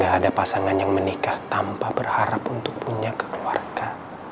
ya ada pasangan yang menikah tanpa berharap untuk punya keluarga